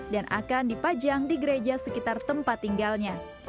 dan akan dipajang di gereja sekitar tempat tinggalnya